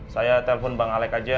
saya telepon bang alec saja